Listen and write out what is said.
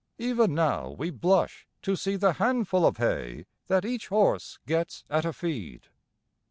Even now we blush to see the handful of hay that each horse gets at a feed.